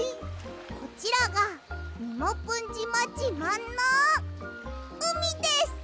こちらがみもぷんじまじまんのうみです！